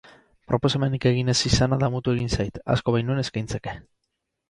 Proposamenik egin ez izana damutu egin zait, asko bainuen eskaintzeke.